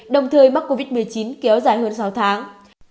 đồng thời mắc covid một mươi chín kéo dài hơn sáu tháng